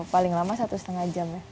paling lama satu setengah jam ya